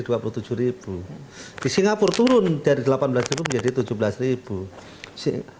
di singapura turun dari delapan belas menjadi tujuh belas ribu